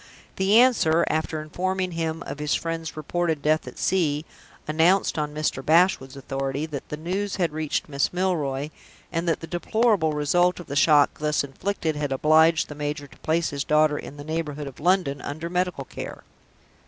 The answer after informing him of his friend's reported death at sea announced (on Mr. Bashwood's authority) that the news had reached Miss Milroy, and that the deplorable result of the shock thus inflicted had obliged the major to place his daughter in the neighborhood of London, under medical care.